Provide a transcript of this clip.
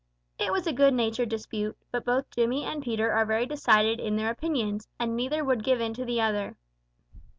It was a good natured dispute, but both Jimmy and Peter are very decided in their opinions, and neither would give in to the other.